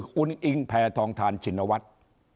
คุณอิงแพทองทานชินวัฒน์